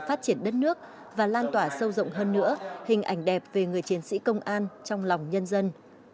phát triển đất nước và lan tỏa sâu rộng hơn nữa hình ảnh đẹp về người chiến sĩ công an trong lòng nhân dân